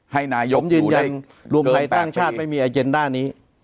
ให้นายกอยู่ได้เกิน๘ปี